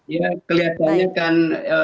ya kelihatannya kan